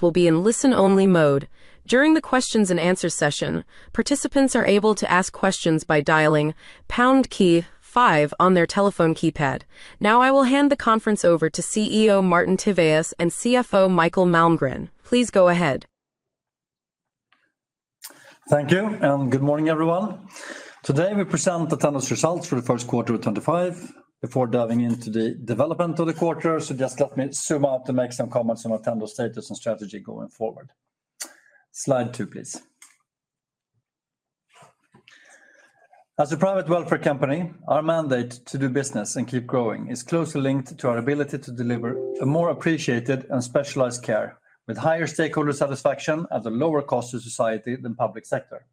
Will be in listen-only mode. During the Q&A session, participants are able to ask questions by dialing #5 on their telephone keypad. Now, I will hand the conference over to CEO Martin Tivéus and CFO Mikael Malmgren. Please go ahead. Thank you, and good morning, everyone. Today we present Attendo's results for Q2025. Before diving into the development of the quarter, just let me zoom out and make some comments on Attendo's status and strategy going forward. Slide 2, please. As a private welfare company, our mandate to do business and keep growing is closely linked to our ability to deliver a more appreciated and specialized care, with higher stakeholder satisfaction at a lower cost to society than public sector.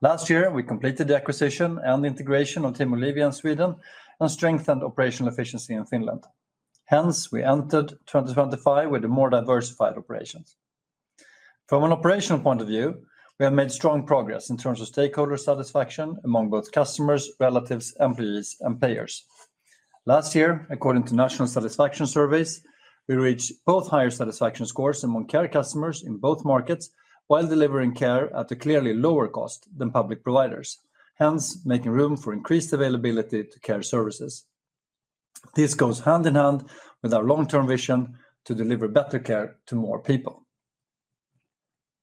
Last year, we completed the acquisition and integration of Team Olivia in Sweden and strengthened operational efficiency in Finland. Hence, we entered 2025 with more diversified operations. From an operational point of view, we have made strong progress in terms of stakeholder satisfaction among both customers, relatives, employees, and payers. Last year, according to national satisfaction surveys, we reached both higher satisfaction scores among care customers in both markets while delivering care at a clearly lower cost than public providers, hence making room for increased availability to care services. This goes hand in hand with our long-term vision to deliver better care to more people.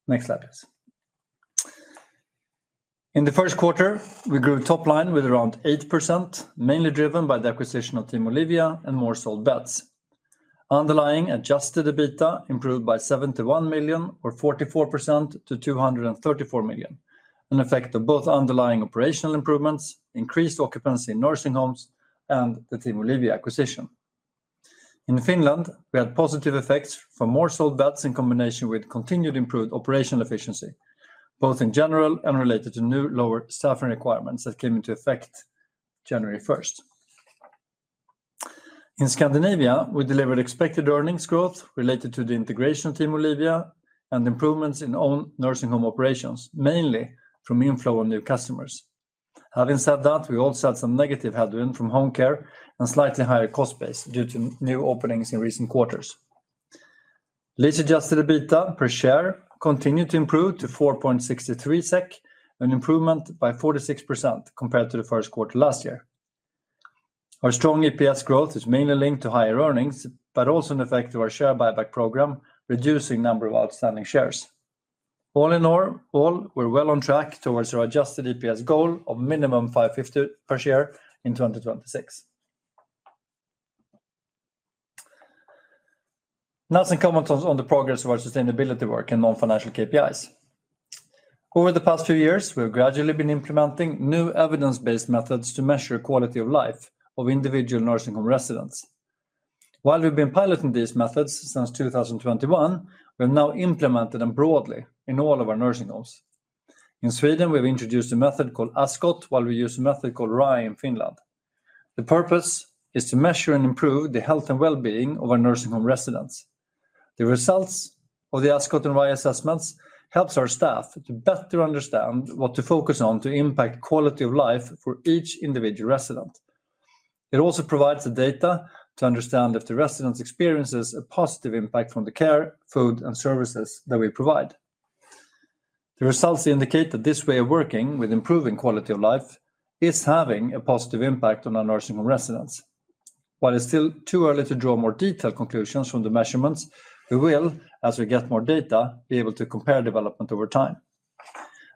Next slide, please. In Q1, we grew top line with around 8%, mainly driven by the acquisition of Team Olivia and more sold beds. Underlying Adjusted EBITDA improved by 71 million, or 44% to 234 million, an effect of both underlying operational improvements, increased occupancy in nursing homes, and the Team Olivia acquisition. In Finland, we had positive effects from more sold beds in combination with continued improved operational efficiency, both in general and related to new lower staffing requirements that came into effect January first. In Scandinavia, we delivered expected earnings growth related to the integration of Team Olivia and improvements in own nursing home operations, mainly from inflow of new customers. Having said that, we also had some negative headwinds from home care and slightly higher cost base due to new openings in recent quarters. Latest Adjusted EBITDA per share continued to improve to 4.63 SEK, an improvement by 46% compared to Q1 last year. Our strong EPS growth is mainly linked to higher earnings, but also an effect of our share buyback program, reducing the number of outstanding shares. All in all, we're well on track towards our adjusted EPS goal of minimum 5.50 per share in 2026. Now, some comments on the progress of our sustainability work in non-financial KPIs. Over the past few years, we've gradually been implementing new evidence-based methods to measure quality of life of individual nursing home residents. While we've been piloting these methods since 2021, we have now implemented them broadly in all of our nursing homes. In Sweden, we've introduced a method called ASCOT, while we use a method called RAI in Finland. The purpose is to measure and improve the health and well-being of our nursing home residents. The results of the ASCOT and RAI assessments help our staff to better understand what to focus on to impact quality of life for each individual resident. It also provides the data to understand if the resident experiences a positive impact from the care, food, and services that we provide. The results indicate that this way of working with improving quality of life is having a positive impact on our nursing home residents. While it's still too early to draw more detailed conclusions from the measurements, we will, as we get more data, be able to compare development over time.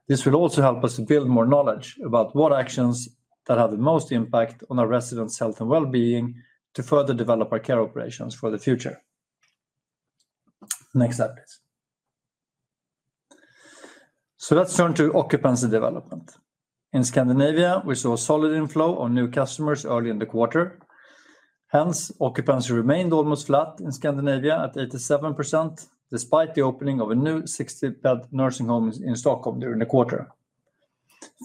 This will also help us to build more knowledge about what actions that have the most impact on our residents' health and well-being to further develop our care operations for the future. Next slide, please. Let's turn to occupancy development. In Scandinavia, we saw a solid inflow of new customers early in the quarter. Hence, occupancy remained almost flat in Scandinavia at 87%, despite the opening of a new 60-bed nursing home in Stockholm during the quarter.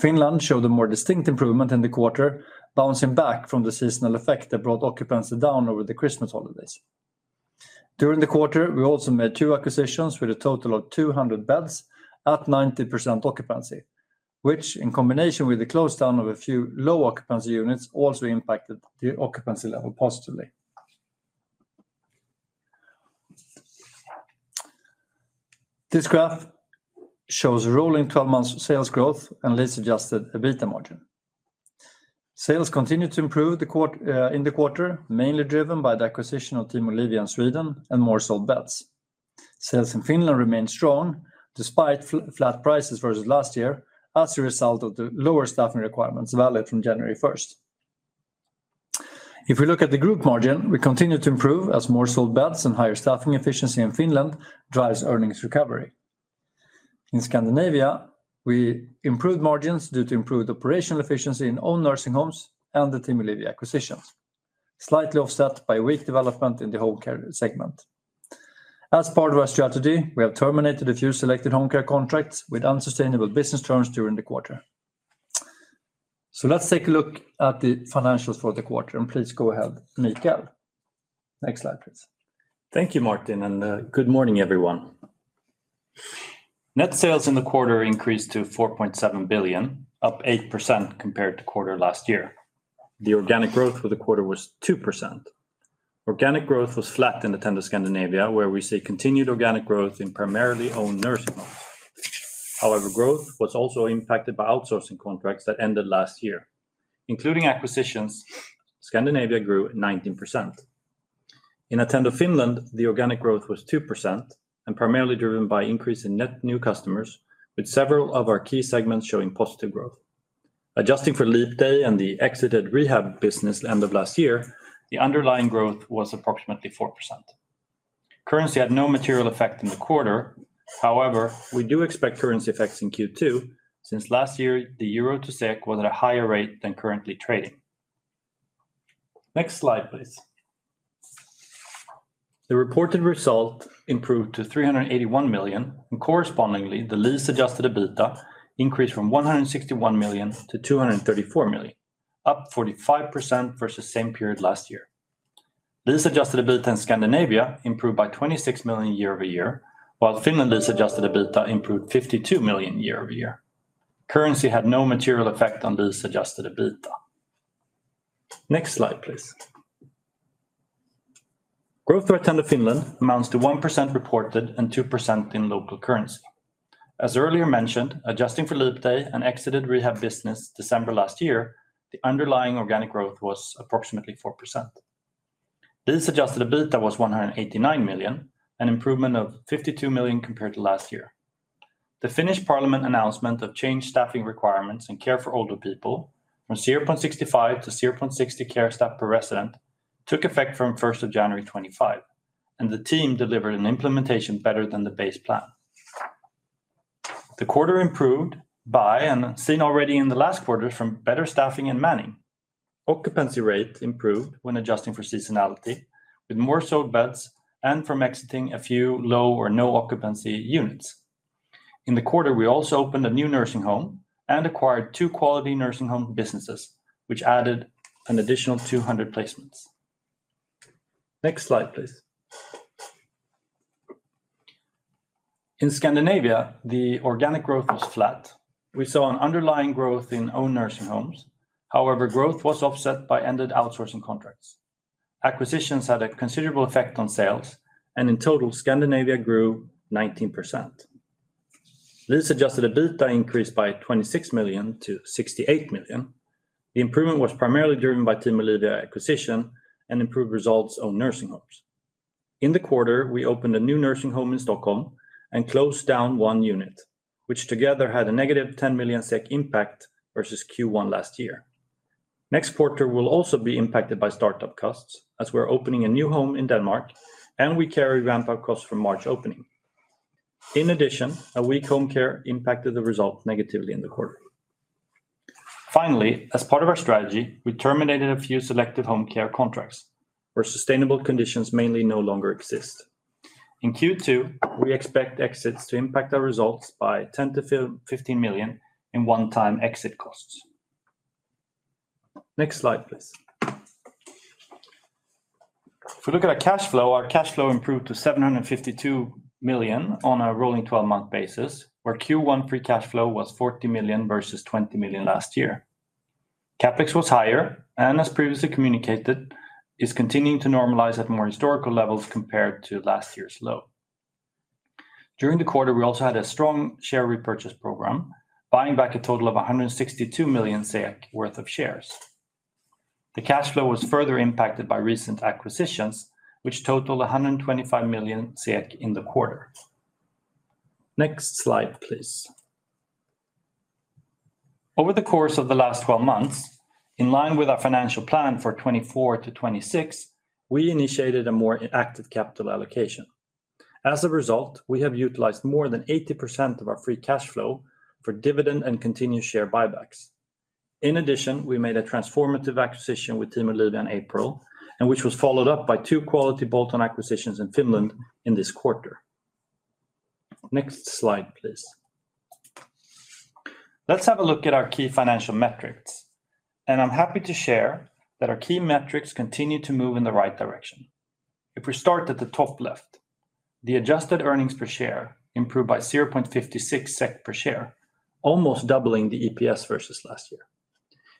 Finland showed a more distinct improvement in the quarter, bouncing back from the seasonal effect that brought occupancy down over the Christmas holidays. During the quarter, we also made two acquisitions with a total of 200 beds at 90% occupancy, which, in combination with the close down of a few low occupancy units, also impacted the occupancy level positively. This graph shows a rolling 12-month sales growth and least Adjusted EBITDA margin. Sales continued to improve in the quarter, mainly driven by the acquisition of Team Olivia in Sweden and more sold beds. Sales in Finland remained strong, despite flat prices versus last year, as a result of the lower staffing requirements valid from January 1. If we look at the group margin, we continue to improve as more sold beds and higher staffing efficiency in Finland drives earnings recovery. In Scandinavia, we improved margins due to improved operational efficiency in own nursing homes and the Team Olivia acquisitions, slightly offset by weak development in the home care segment. As part of our strategy, we have terminated a few selected home care contracts with unsustainable business terms during the quarter. Let's take a look at the financials for the quarter. Please go ahead, Mikael. Next slide, please. Thank you, Martin, and good morning, everyone. Net sales in the quarter increased to 4.7 billion, up 8% compared to Q2 last year. The organic growth for the quarter was 2%. Organic growth was flat in Attendo Scandinavia, where we see continued organic growth in primarily own nursing homes. However, growth was also impacted by outsourcing contracts that ended last year. Including acquisitions, Scandinavia grew 19%. In Attendo Finland, the organic growth was 2%, and primarily driven by an increase in net new customers, with several of our key segments showing positive growth. Adjusting for leap day and the exited rehab business end of last year, the underlying growth was approximately 4%. Currency had no material effect in the quarter. However, we do expect currency effects in Q2, since last year the euro to SEK was at a higher rate than currently trading. Next slide, please. The reported result improved to 381 million, and correspondingly, the least Adjusted EBITDA increased from 161 million-234 million, up 45% versus the same period last year. Least Adjusted EBITDA in Scandinavia improved by 26 million year-over-year, while Finland's least Adjusted EBITDA improved 52 million year-over-year. Currency had no material effect on least Adjusted EBITDA. Next slide, please. Growth for Attendo Finland amounts to 1% reported and 2% in local currency. As earlier mentioned, adjusting for leap day and exited rehab business December last year, the underlying organic growth was approximately 4%. Least Adjusted EBITDA was 189 million, an improvement of 52 million compared to last year. The Finnish Parliament announcement of changed staffing requirements and care for older people from 0.65 to 0.60 care staff per resident took effect from January 1, 2025, and the team delivered an implementation better than the base plan. The quarter improved by, and seen already in the last quarter, from better staffing and manning. Occupancy rate improved when adjusting for seasonality, with more sold beds and from exiting a few low or no occupancy units. In the quarter, we also opened a new nursing home and acquired two quality nursing home businesses, which added an additional 200 placements. Next slide, please. In Scandinavia, the organic growth was flat. We saw an underlying growth in own nursing homes. However, growth was offset by ended outsourcing contracts. Acquisitions had a considerable effect on sales, and in total, Scandinavia grew 19%. Last Adjusted EBITDA increased by 26 million to 68 million. The improvement was primarily driven by the Team Olivia acquisition and improved results on nursing homes. In the quarter, we opened a new nursing home in Stockholm and closed down one unit, which together had a negative 10 million SEK impact versus Q1 last year. Next quarter will also be impacted by startup costs, as we're opening a new home in Denmark, and we carry ramp-up costs from March opening. In addition, a weak home care impacted the result negatively in the quarter. Finally, as part of our strategy, we terminated a few selected home care contracts where sustainable conditions mainly no longer exist. In Q2, we expect exits to impact our results by 10-15 million in one-time exit costs. Next slide, please. If we look at our cash flow, our cash flow improved to 752 million on a rolling 12-month basis, where Q1 pre-cash flow was 40 million versus 20 million last year. CapEx was higher, and as previously communicated, is continuing to normalize at more historical levels compared to last year's low. During the quarter, we also had a strong share repurchase program, buying back a total of 162 million worth of shares. The cash flow was further impacted by recent acquisitions, which totaled 125 million in the quarter. Next slide, please. Over the course of the last 12 months, in line with our financial plan for 2024 to 2026, we initiated a more active capital allocation. As a result, we have utilized more than 80% of our free cash flow for dividend and continued share buybacks. In addition, we made a transformative acquisition with Team Olivia in April, which was followed up by two quality bolt-on acquisitions in Finland in this quarter. Next slide, please. Let's have a look at our key financial metrics. I'm happy to share that our key metrics continue to move in the right direction. If we start at the top left, the adjusted earnings per share improved by 0.56 SEK per share, almost doubling the EPS versus last year.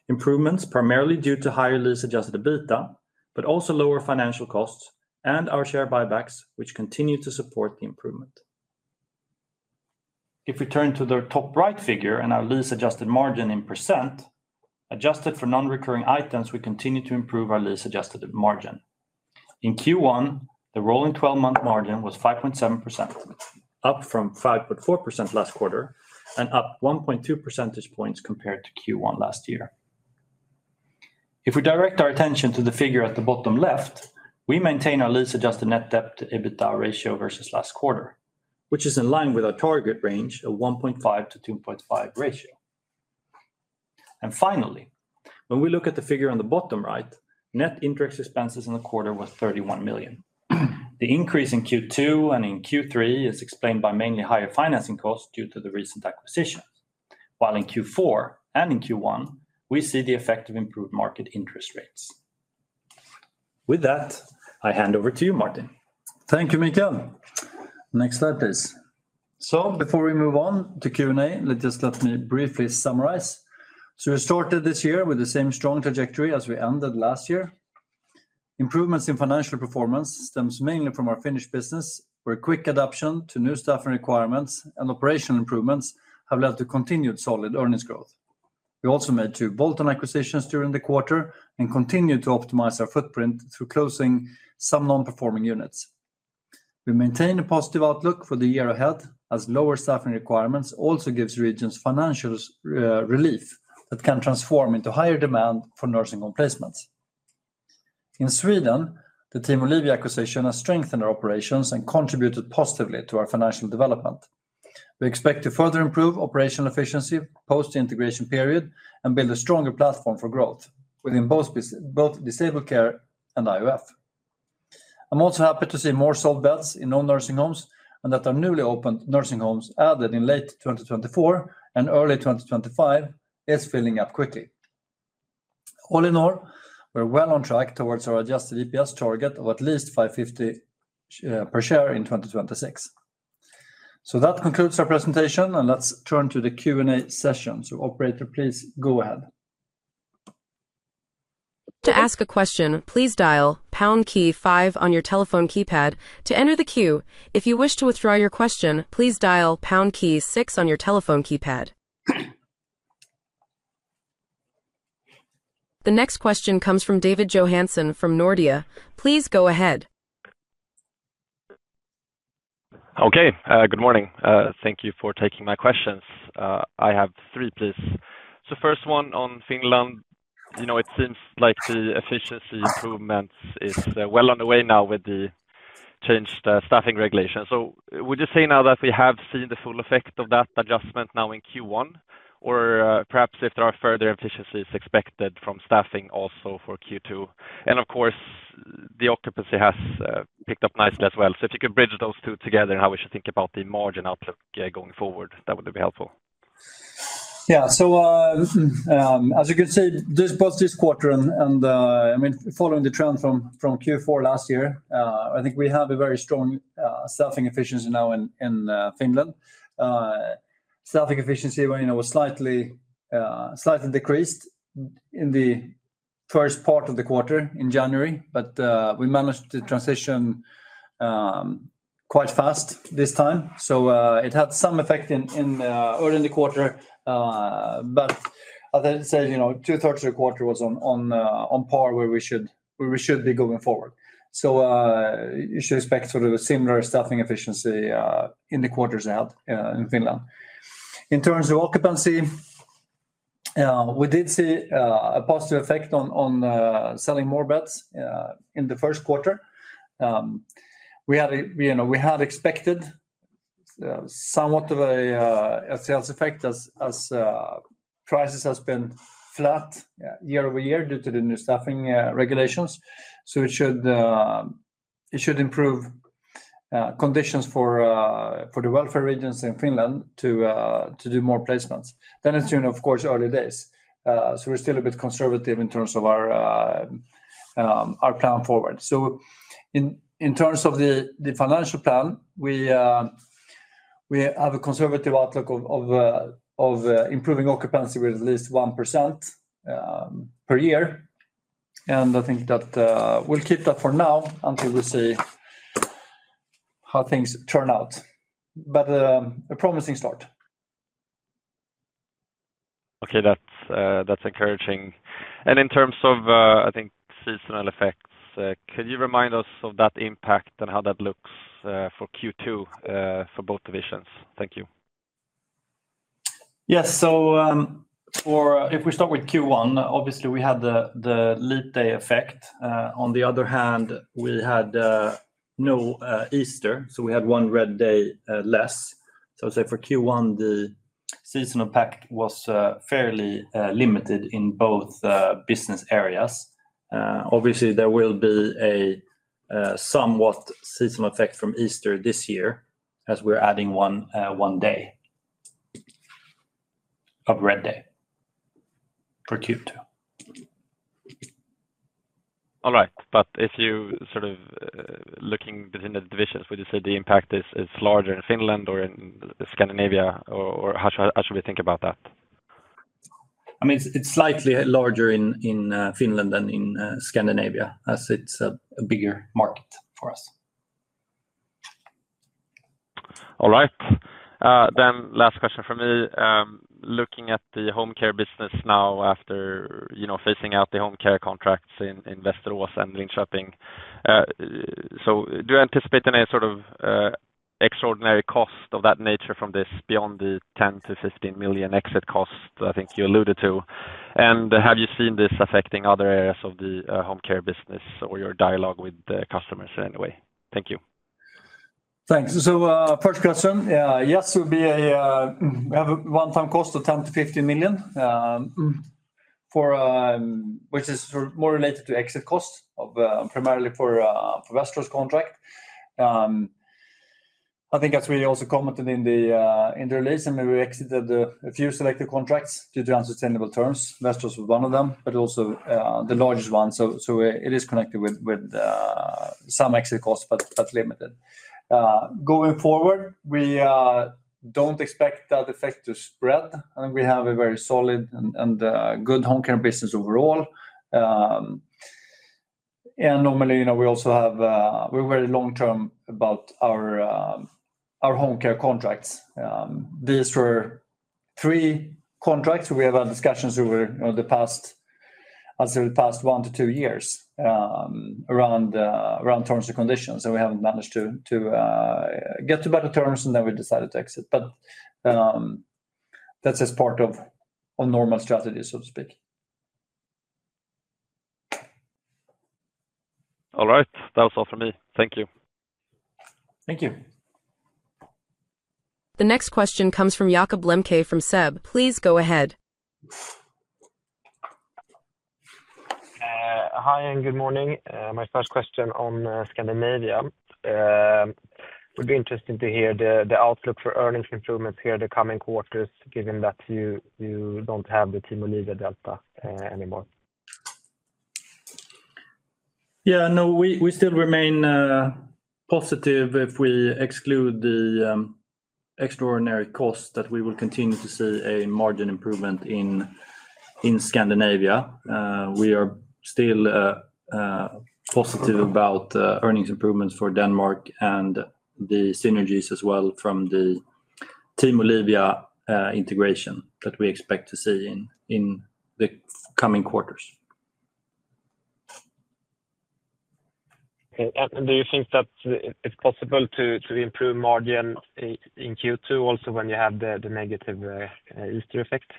Improvements primarily due to higher lease-Adjusted EBITDA, but also lower financial costs and our share buybacks, which continue to support the improvement. If we turn to the top right figure and our lease-adjusted margin in %, adjusted for non-recurring items, we continue to improve our lease-adjusted margin. In Q1, the rolling 12-month margin was 5.7%, up from 5.4% last quarter and up 1.2 percentage points compared to Q1 last year. If we direct our attention to the figure at the bottom left, we maintain our least adjusted net debt to EBITDA ratio versus last quarter, which is in line with our target range of 1.5-2.5 ratio. Finally, when we look at the figure on the bottom right, net indirect expenses in the quarter was 31 million. The increase in Q2 and in Q3 is explained by mainly higher financing costs due to the recent acquisitions, while in Q4 and in Q1, we see the effect of improved market interest rates. With that, I hand over to you, Martin. Thank you, Mikael. Next slide, please. Before we move on to Q&A, let me briefly summarize. We started this year with the same strong trajectory as we ended last year. Improvements in financial performance stem mainly from our Finnish business, where quick adoption to new staffing requirements and operational improvements have led to continued solid earnings growth. We also made two bolt-on acquisitions during the quarter and continued to optimize our footprint through closing some non-performing units. We maintain a positive outlook for the year ahead, as lower staffing requirements also give regions financial relief that can transform into higher demand for nursing home placements. In Sweden, the Team Olivia acquisition has strengthened our operations and contributed positively to our financial development. We expect to further improve operational efficiency post-integration period and build a stronger platform for growth within both disabled care and IOF. I'm also happy to see more sold beds in own nursing homes, and that our newly opened nursing homes added in late 2024 and early 2025 is filling up quickly. All in all, we're well on track towards our adjusted EPS target of at least 5.50 per share in 2026. That concludes our presentation, and let's turn to the Q&A session. Operator, please go ahead. To ask a question, please dial pound key 5 on your telephone keypad to enter the queue. If you wish to withdraw your question, please dial pound key 6 on your telephone keypad. The next question comes from David Johansson from Nordea. Please go ahead. Okay, good morning. Thank you for taking my questions. I have three, please. First one on Finland. You know, it seems like the efficiency improvements are well on the way now with the changed staffing regulations. Would you say now that we have seen the full effect of that adjustment now in Q1, or perhaps if there are further efficiencies expected from staffing also for Q2? Of course, the occupancy has picked up nicely as well. If you could bridge those two together and how we should think about the margin outlook going forward, that would be helpful. Yeah, as you can see, both this quarter and, I mean, following the trend from Q4 last year, I think we have a very strong staffing efficiency now in Finland. Staffing efficiency was slightly decreased in the first part of the quarter in January, but we managed to transition quite fast this time. It had some effect early in the quarter, but as I said, you know, two-thirds of the quarter was on par where we should be going forward. You should expect sort of a similar staffing efficiency in the quarters ahead in Finland. In terms of occupancy, we did see a positive effect on selling more beds in the first quarter. We had expected somewhat of a sales effect as prices have been flat year over year due to the new staffing regulations. It should improve conditions for the welfare regions in Finland to do more placements. Then it's during, of course, early days. We're still a bit conservative in terms of our plan forward. In terms of the financial plan, we have a conservative outlook of improving occupancy with at least 1% per year. I think that we'll keep that for now until we see how things turn out. A promising start. Okay, that's encouraging. In terms of, I think, seasonal effects, could you remind us of that impact and how that looks for Q2 for both divisions? Thank you. Yes, so if we start with Q1, obviously, we had the leap day effect. On the other hand, we had no Easter, so we had one red day less. I would say for Q1, the seasonal effect was fairly limited in both business areas. Obviously, there will be a somewhat seasonal effect from Easter this year as we're adding one day of red day for Q2. All right, but if you sort of looking between the divisions, would you say the impact is larger in Finland or in Scandinavia, or how should we think about that? I mean, it's slightly larger in Finland than in Scandinavia as it's a bigger market for us. All right, then last question for me. Looking at the home care business now after phasing out the home care contracts in Västerås and Linköping, do you anticipate any sort of extraordinary cost of that nature from this beyond the 10-15 million exit costs I think you alluded to? Have you seen this affecting other areas of the home care business or your dialogue with customers in any way? Thank you. Thanks. First question, yes, we have a one-time cost of 10-15 million, which is more related to exit costs primarily for the Västerås contract. I think that's really also commented in the release, and we exited a few selected contracts due to unsustainable terms. Västerås was one of them, but also the largest one. It is connected with some exit costs, but limited. Going forward, we do not expect that effect to spread. I think we have a very solid and good home care business overall. Normally, we also have, we're very long-term about our home care contracts. These were three contracts we have had discussions over the past, I'd say, the past one to two years around terms and conditions. We have not managed to get to better terms, and then we decided to exit. That is just part of a normal strategy, so to speak. All right, that was all from me. Thank you. Thank you. The next question comes from Jakob Lemke from SEB. Please go ahead. Hi, and good morning. My first question on Scandinavia. It would be interesting to hear the outlook for earnings improvements here in the coming quarters, given that you don't have the Team Olivia delta anymore. Yeah, no, we still remain positive. If we exclude the extraordinary costs, we will continue to see a margin improvement in Scandinavia. We are still positive about earnings improvements for Denmark and the synergies as well from the Team Olivia integration that we expect to see in the coming quarters. Do you think that it's possible to improve margin in Q2 also when you have the negative Easter effect?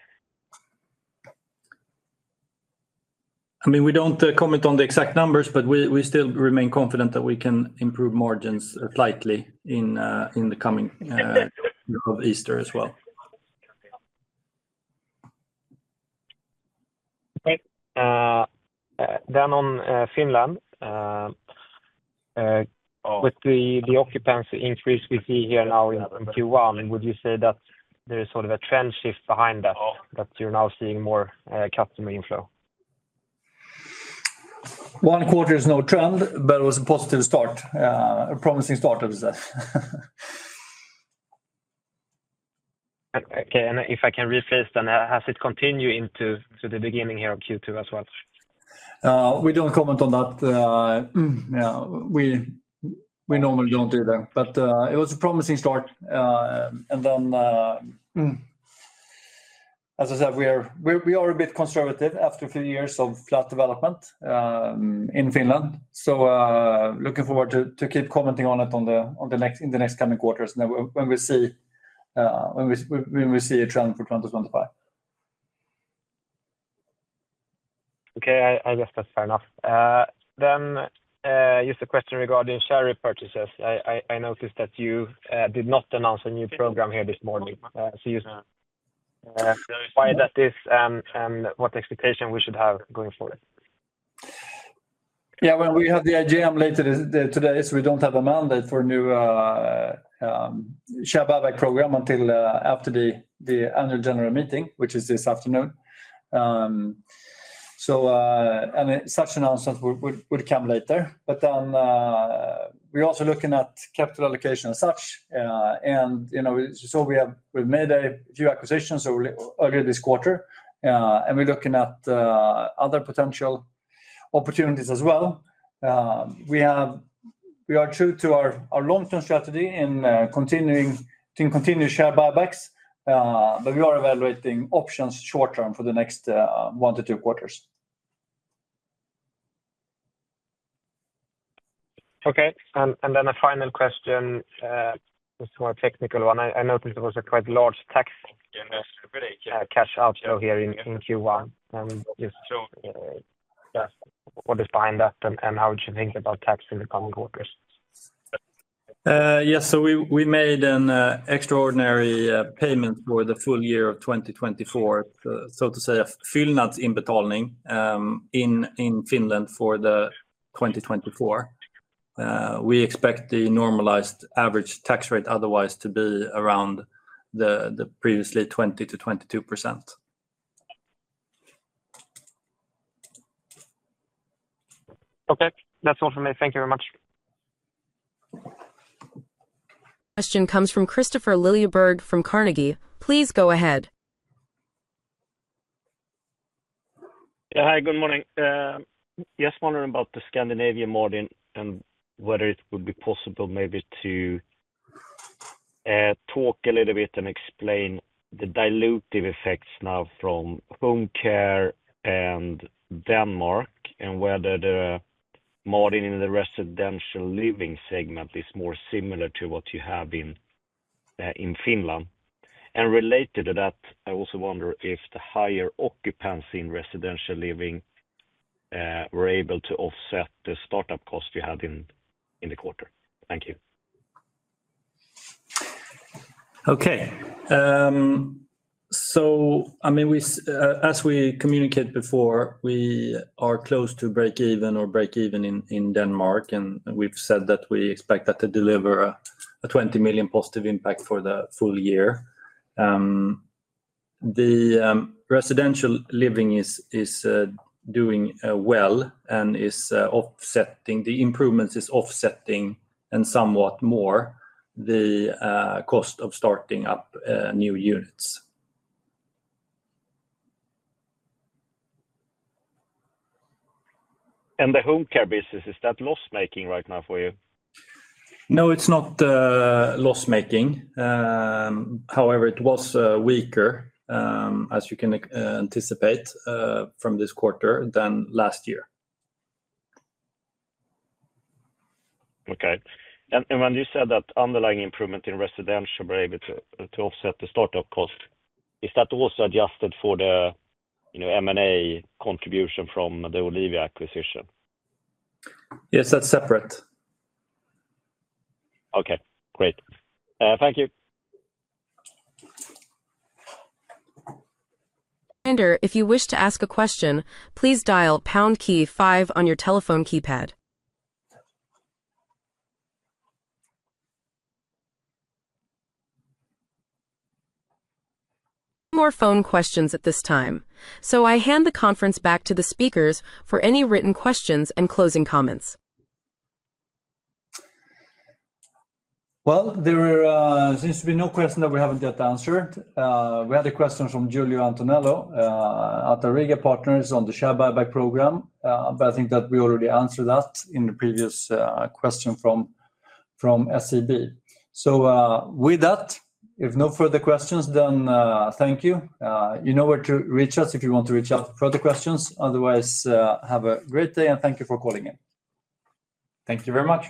I mean, we don't comment on the exact numbers, but we still remain confident that we can improve margins slightly in the coming of Easter as well. On Finland, with the occupancy increase we see here now in Q1, would you say that there is sort of a trend shift behind that, that you're now seeing more customer inflow? One quarter is no trend, but it was a positive start, a promising start, I would say. Okay, and if I can rephrase then, has it continued into the beginning here of Q2 as well? We don't comment on that. We normally don't either. It was a promising start. As I said, we are a bit conservative after a few years of flat development in Finland. Looking forward to keep commenting on it in the next coming quarters when we see a trend for 2025. Okay, I guess that's fair enough. Just a question regarding share repurchases. I noticed that you did not announce a new program here this morning. Why is that, and what expectation should we have going forward? Yeah, when we had the AGM later today, we do not have a mandate for a new share buyback program until after the annual general meeting, which is this afternoon. Such announcements would come later. We are also looking at capital allocation as such. We made a few acquisitions earlier this quarter, and we are looking at other potential opportunities as well. We are true to our long-term strategy in continuing share buybacks, but we are evaluating options short-term for the next one to two quarters. Okay, and then a final question, just a more technical one. I noticed there was a quite large tax cash outflow here in Q1. What is behind that, and how would you think about tax in the coming quarters? Yes, so we made an extraordinary payment for the full year of 2024, so to say, a Finland inbetalning in Finland for the 2024. We expect the normalized average tax rate otherwise to be around the previously 20-22%. Okay, that's all from me. Thank you very much. Question comes from Kristofer Liljeberg from Carnegie. Please go ahead. Yeah, hi, good morning. Yes, wondering about the Scandinavian model and whether it would be possible maybe to talk a little bit and explain the dilutive effects now from home care and Denmark and whether the model in the residential living segment is more similar to what you have in Finland. Related to that, I also wonder if the higher occupancy in residential living were able to offset the startup costs you had in the quarter. Thank you. Okay, so I mean, as we communicated before, we are close to break-even or break-even in Denmark, and we've said that we expect that to deliver a 20 million positive impact for the full year. The residential living is doing well and is offsetting, the improvements is offsetting and somewhat more the cost of starting up new units. Is that home care business loss-making right now for you? No, it's not loss-making. However, it was weaker, as you can anticipate, from this quarter than last year. Okay, and when you said that underlying improvement in residential were able to offset the startup cost, is that also adjusted for the M&A contribution from the Olivia acquisition? Yes, that's separate. Okay, great. Thank you. If you wish to ask a question, please dial #5 on your telephone keypad. No more phone questions at this time. I hand the conference back to the speakers for any written questions and closing comments. There seems to be no question that we haven't yet answered. We had a question from Giulio Antonello at Auriga Partners on the share buyback program, but I think that we already answered that in the previous question from SEB. With that, if no further questions, then thank you. You know where to reach us if you want to reach out for further questions. Otherwise, have a great day and thank you for calling in. Thank you very much.